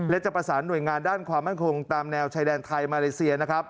และจะประสานหน่วยงานด้านความมั่นคงตามแนวชายแดนไทยมาเลเซียนะครับ